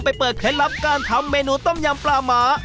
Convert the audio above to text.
เปิดเคล็ดลับการทำเมนูต้มยำปลาหมา